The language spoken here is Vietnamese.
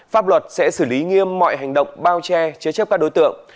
pháp luật sẽ xử lý nghiêm mọi hành động bao che chế chấp các đối tượng